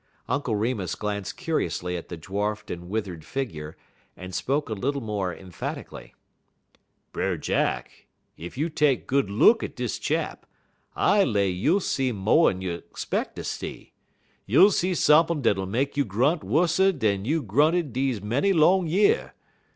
Uncle Remus glanced curiously at the dwarfed and withered figure, and spoke a little more emphatically: "Brer Jack, ef you take good look at dis chap, I lay you'll see mo'n you speck ter see. You'll see sump'n' dat'll make you grunt wusser dan you grunted deze many long year.